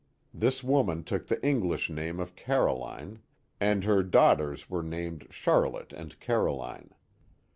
This woman took the English name of Caroline, and her daughters were named Charlotte and Caroline.